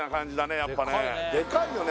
やっぱねデカいよね